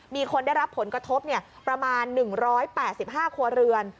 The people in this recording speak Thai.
มีคนได้รับผลกระทบประมาณ๑๘๕ครัวเรือน